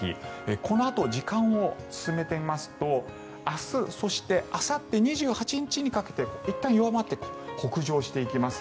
このあと時間を進めてみますと明日そしてあさって２８日にかけていったん弱まって北上していきます。